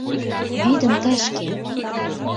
— Вӱдым тышке!